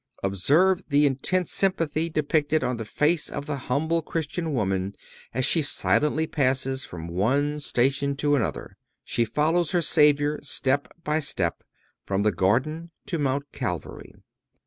Observe the intense sympathy depicted on the face of the humble Christian woman as she silently passes from one station to another. She follows her Savior step by step from the Garden to Mount Calvary.